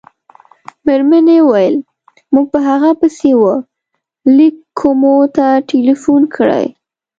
مېرمنې وویل: موږ په هغه پسې وه لېک کومو ته ټېلیفون کړی.